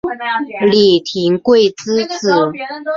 林廷圭之子。